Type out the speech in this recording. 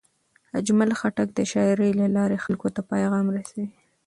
اجمل خټک د شاعرۍ له لارې خلکو ته پیام رسولی.